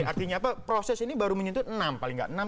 artinya apa proses ini baru menyentuh enam paling nggak